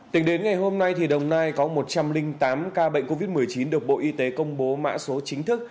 tính đến ngày hôm nay đồng nai có một trăm linh tám ca bệnh covid một mươi chín được bộ y tế công bố mã số chính thức